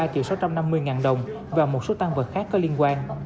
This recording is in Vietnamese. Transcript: hai mươi ba triệu sáu trăm năm mươi ngàn đồng và một số tăng vật khác có liên quan